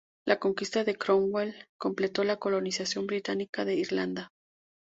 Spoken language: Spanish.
La conquista de Cromwell completó la colonización británica de Irlanda.